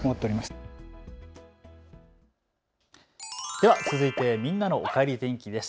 では続いてみんなのおかえり天気です。